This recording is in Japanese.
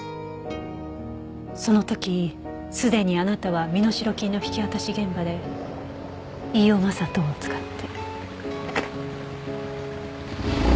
その時すでにあなたは身代金の引き渡し現場で飯尾真人を使って。